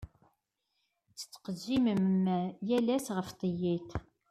Ttqejjiment yal ass ɣef tiyaḍ.